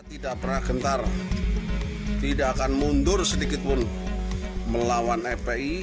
tidak pernah gentar tidak akan mundur sedikitpun melawan fpi